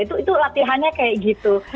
itu latihannya kayak gitu